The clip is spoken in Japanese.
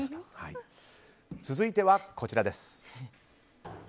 続いてはこちらです。